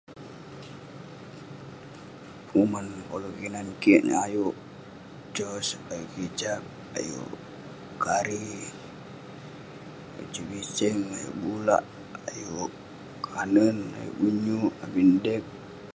penguman koluk kinan kik ineh, ayuk sos, ayuk kicap..ayuk kari..ayuk usen biseng..ayuk gula, ayuk kanen, ayuk benyuk abin dek..